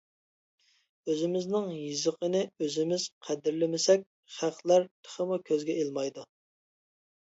ئۆزىمىزنىڭ يېزىقىنى ئۆزىمىز قەدىرلىمىسەك خەقلەر تېخىمۇ كۆزگە ئىلمايدۇ.